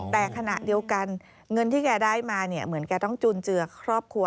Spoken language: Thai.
แต่ขณะเดียวกันเงินที่แกได้มาเนี่ยเหมือนแกต้องจุนเจือครอบครัว